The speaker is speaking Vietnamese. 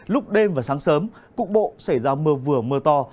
lúc đêm và sáng sớm cục bộ xảy ra mưa vừa mưa to